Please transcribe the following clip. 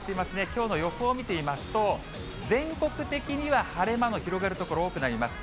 きょうの予報見てみますと、全国的には晴れ間の広がる所、多くなります。